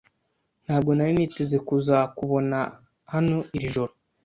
Ntabwo nari niteze kuzakubona hano iri joro.